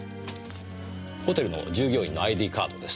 ホテルの従業員のＩＤカードです。